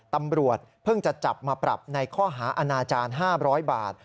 ตำรวจเพิ่งจะจับมาปรับในข้อหาอาณาจารย์๕๐๐บาท